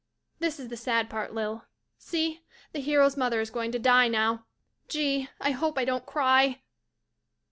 This is the sad part, Lil — see, the hero's mother is going to die now. Gee, I hope I don't cry.